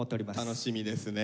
楽しみですね。